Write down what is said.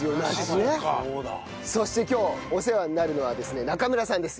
そして今日お世話になるのはですね中村さんです。